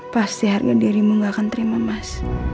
pasti harga dirimu gak akan terima mas